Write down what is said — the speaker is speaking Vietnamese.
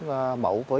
mẫu của bà con